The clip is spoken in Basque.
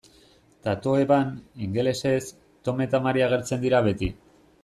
Tatoeban, ingelesez, Tom eta Mary agertzen dira beti.